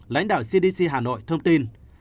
lãnh đạo cdc hà nội thông tin